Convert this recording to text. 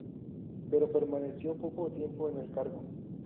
Pero permaneció poco tiempo en el cargo.